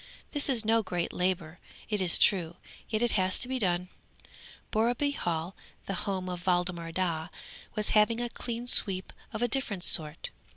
This is no great labour, it is true, yet it has to be done. Borreby Hall, the home of Waldemar Daa, was having a clean sweep of a different sort.